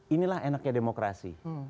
inilah enaknya demokrasi